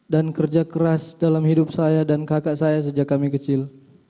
dan kerja keras dalam hidup saya dan kakak saya sejak kami kecil